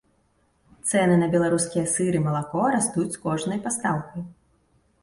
Цэны на беларускія сыр і малако растуць з кожнай пастаўкай.